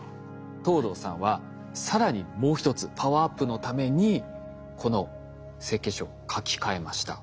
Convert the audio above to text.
藤堂さんは更にもう１つパワーアップのためにこの設計書を書き換えました。